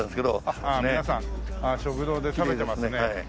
ああ皆さん食堂で食べてますね。